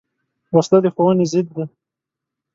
وسله د ښوونې ضد ده